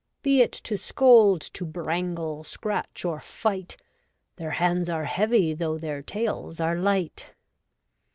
Be it to scold, to brangle, scratch, or fight, Their hands are heavy though their tails are light.